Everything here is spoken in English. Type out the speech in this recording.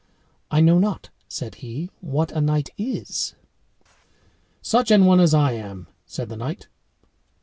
"I know not," said he, "what a knight is." "Such an one as I am," said the knight.